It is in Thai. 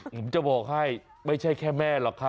ผมจะบอกให้ไม่ใช่แค่แม่หรอกครับ